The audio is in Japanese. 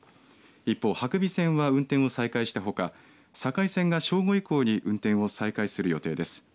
一方、伯備線は運転を再開したほか境線が正午以降に運転を再開する予定です。